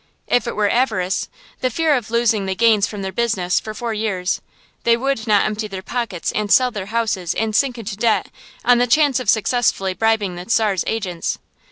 If it were avarice the fear of losing the gains from their business for four years they would not empty their pockets and sell their houses and sink into debt, on the chance of successfully bribing the Czar's agents.